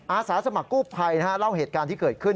อาสาสมัครกู้ภัยเล่าเหตุการณ์ที่เกิดขึ้น